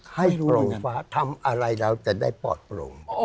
ให้โรงฟ้าทำอะไรเราจะได้ปลอดโปร่ง